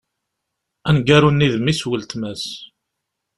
Aneggaru-nni d mmi-s n wletma-s.